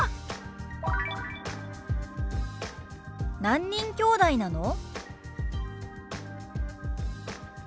「何人きょうだいなの？」。